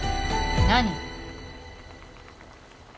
何？